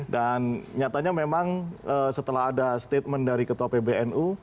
dan nyatanya memang setelah ada statement dari ketua pbnu